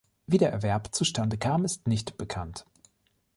Wie der Erwerb zu Stande kam ist nicht bekannt.